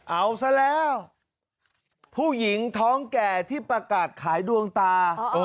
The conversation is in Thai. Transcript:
เอาซะแล้วผู้หญิงท้องแก่ที่ประกาศขายดวงตา